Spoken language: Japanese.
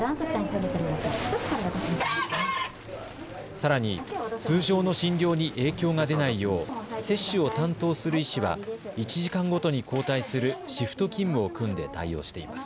さらに通常の診療に影響が出ないよう接種を担当する医師は１時間ごとに交代するシフト勤務を組んで対応しています。